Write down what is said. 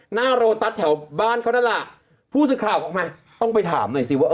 หน้าโรตัสแถวบ้านเขานั่นแหละผู้สื่อข่าวออกมาต้องไปถามหน่อยสิว่า